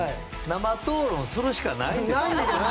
生討論するしかないですよね。